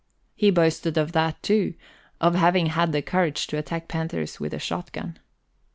He boasted of that too of having had the courage to attack panthers with a shot gun.